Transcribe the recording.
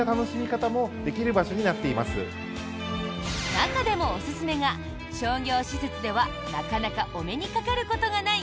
中でもおすすめが商業施設ではなかなかお目にかかることがない